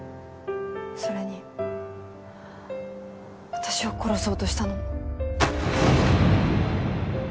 それに私を殺そうとしたのも。